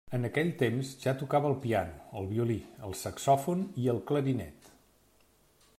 En aquell temps ja tocava el piano, el violí, el saxòfon i el clarinet.